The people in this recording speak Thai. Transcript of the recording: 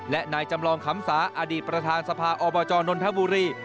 และนายจำลองคำสาอดีตประธานสภาอบจนนทบุรี